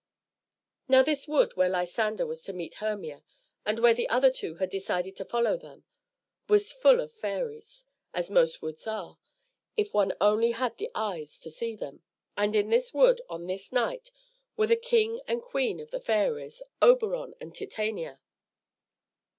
Now this wood where Lysander was to meet Hermia, and where the other two had decided to follow them, was full of fairies, as most woods are, if one only had the eyes to see them, and in this wood on this night were the king and queen of the fairies, Oberon and Titania.